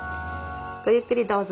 ごゆっくりどうぞ。